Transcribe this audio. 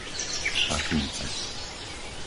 Patince